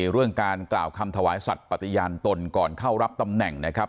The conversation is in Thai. เรื่องการกล่าวคำถวายสัตว์ปฏิญาณตนก่อนเข้ารับตำแหน่งนะครับ